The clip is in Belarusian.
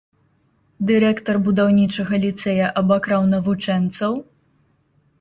Дырэктар будаўнічага ліцэя абакраў навучэнцаў?